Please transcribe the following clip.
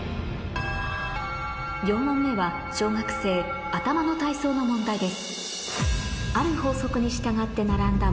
４問目は小学生頭の体操の問題です